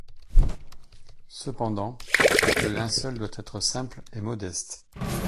Cependant, le linceul doit être simple et modeste.